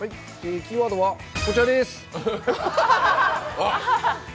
キーワードはこちらです。